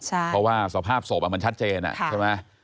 เพราะว่าสภาพศพมันชัดเจนอะ